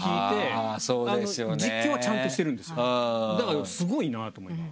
だからスゴいなと思います。